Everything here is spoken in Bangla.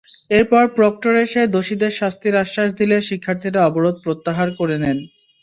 এরপর প্রক্টর এসে দোষীদের শাস্তির আশ্বাস দিলে শিক্ষার্থীরা অবরোধ প্রত্যাহার করে নেন।